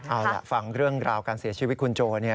เอาล่ะฟังเรื่องราวการเสียชีวิตคุณโจ